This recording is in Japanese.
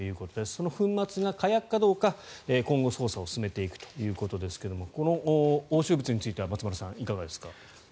その粉末が火薬かどうか今後、捜査を進めていくということですがこの押収物については松丸さん、いかがですか。